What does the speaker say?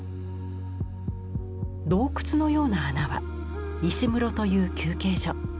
洞窟のような穴は石室という休憩所。